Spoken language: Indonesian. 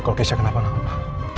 kalau keisha kenapa kenapa